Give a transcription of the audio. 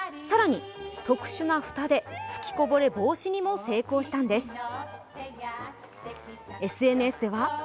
更に特殊な蓋で吹きこぼれ防止にも成功したんです。